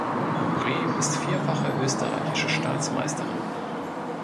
Brem ist vierfache Österreichische Staatsmeisterin.